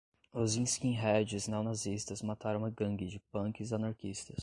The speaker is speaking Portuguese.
Os skinheads neonazistas mataram uma gangue de punks anarquistas